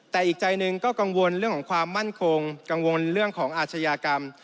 แต่อีกใจหนึ่งก็กังวลเรื่องของความมั่นคงกังวลเรื่องของอาชญากรรม